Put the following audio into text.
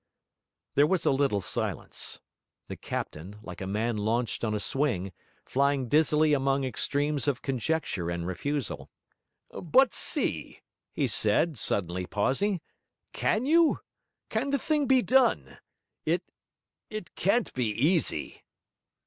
There was a little silence; the captain, like a man launched on a swing, flying dizzily among extremes of conjecture and refusal. 'But see,' he said, suddenly pausing. 'Can you? Can the thing be done? It it can't be easy.'